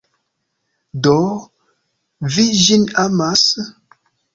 Do, vi ĝin amas?